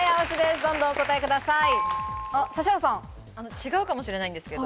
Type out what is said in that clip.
どんどんお答え違うかもしれないんですけど